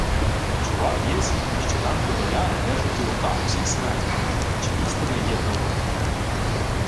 — Чував єсмь, що тамті боляри держуть у руках усіх смердів. Чи істина є того?